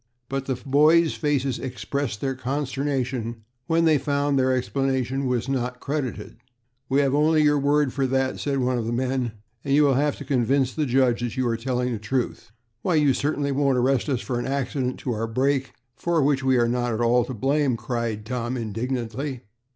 But the boys' faces expressed their consternation when they found that their explanation was not credited. "We only have your word for that," said one of the men, "and you will have to convince the judge that you are telling the truth." "Why, you certainly won't arrest us for an accident to our brake, for which we are not at all to blame!" cried Tom, indignantly.